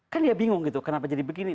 kan dia bingung gitu kenapa jadi begini